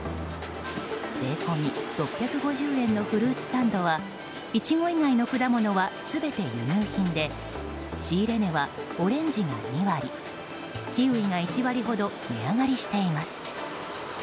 税込み６５０円のフルーツサンドはイチゴ以外の果物は全て輸入品で仕入れ値はオレンジが２割キウイが１割ほど値上がりしています。